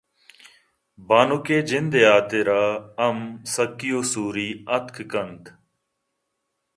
بانک ءِ جند ءِحاترا ہم سکی ءُسوری اتک کنت